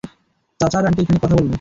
চাচা আর আন্টি এখানে কথা বলবে।